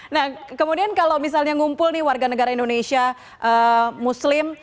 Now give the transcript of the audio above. nah kemudian kalau misalnya ngumpul nih warga negara indonesia muslim